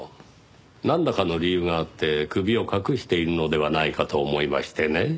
なんらかの理由があって首を隠しているのではないかと思いましてね。